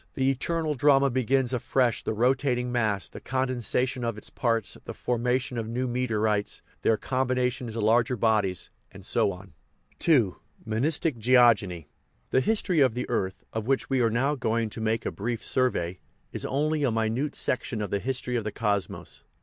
The eternal drama begins afresh the rotat ing mass, the condensation of its parts, the formation of new meteorites, their combination into larger bodies, and so on. II. MONISTIC GEOGENY The history of the earth, of which we are now going to make a brief survey, is only a minute section of the history of the cosmos.